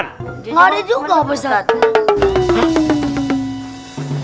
nggak ada juga pak ustadz